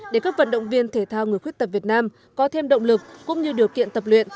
để các vận động viên thể thao người khuyết tật việt nam có thêm động lực cũng như điều kiện tập luyện